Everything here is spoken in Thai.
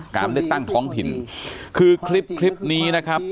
การเลือกตั้งท้องถิ่นคือคลิปคลิปนี้นะครับ